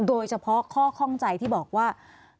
โดยเฉพาะข้อข้องใจที่บอกว่า